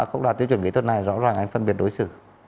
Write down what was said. không đạt tiêu chuẩn kỹ thuật này rõ ràng anh phân biệt đối xử